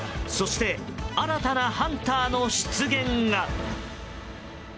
そして新たなハンターの出現は。